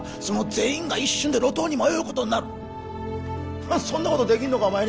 その全員が一瞬で路頭に迷うことになるそんなことできるのか？